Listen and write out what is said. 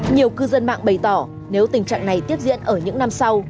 nhiều cư dân mạng bày tỏ nếu tình trạng này tiếp diễn ở những năm sau